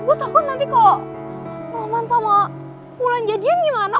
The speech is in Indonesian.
gue takut nanti kalo roman sama wulan jadian gimana